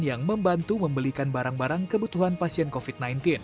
yang membantu membelikan barang barang kebutuhan pasien covid sembilan belas